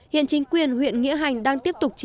hiện chính quyền huyện nghĩa hành đang tiếp tục chỉ đạo